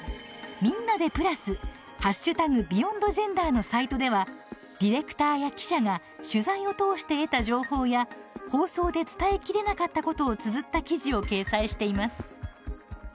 みんなでプラス「＃ＢｅｙｏｎｄＧｅｎｄｅｒ」のサイトではディレクターや記者が取材を通して得た情報や放送で伝えきれなかったことをつづった記事を掲載しています。